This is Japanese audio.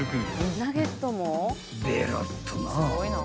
［ベロっとな］